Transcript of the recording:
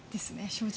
正直。